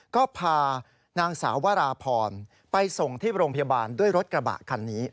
ก็พานางสาววราพรไปส่งที่โรงพยาบาลด้วยรถกระบะคันนี้